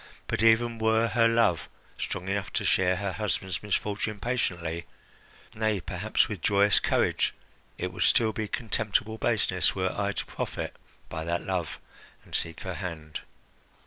"But even were her love strong enough to share her husband's misfortune patiently nay, perhaps with joyous courage it would still be contemptible baseness were I to profit by that love and seek her hand."